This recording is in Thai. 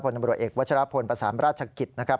ตำรวจเอกวัชรพลประสานราชกิจนะครับ